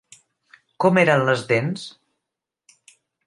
Com eren les dents?